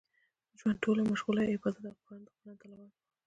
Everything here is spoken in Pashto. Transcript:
د ژوند ټوله مشغولا يې عبادت او د قران تلاوت و.